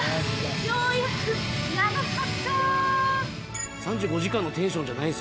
ようやく長かった！